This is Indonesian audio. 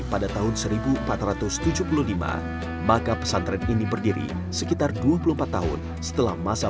pada tahun seribu empat ratus tujuh puluh lima maka pesantren ini berdiri sekitar dua puluh empat tahun setelah masa